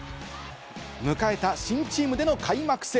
迎えた新チームでの開幕戦。